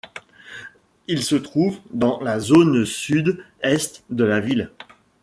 Il se trouve dans la zone sud-est de la ville.